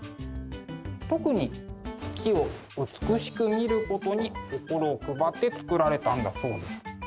特に月を美しく見ることに心を配って造られたんだそうです。